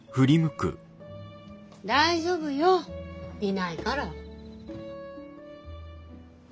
大丈夫よいないから。